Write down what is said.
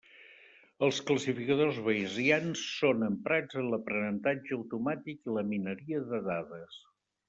Els classificadors bayesians són emprats en l'aprenentatge automàtic i la mineria de dades.